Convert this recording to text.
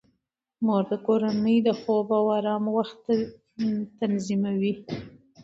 مور د کورنۍ د خوب او آرام وخت تنظیموي.